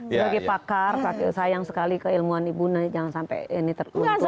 bagi pakar sayang sekali keilmuan ibu naya jangan sampai ini terkuntuk